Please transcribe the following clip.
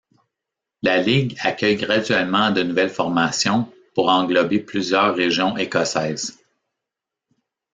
La ligue accueille graduellement de nouvelles formations pour englober plusieurs régions écossaises.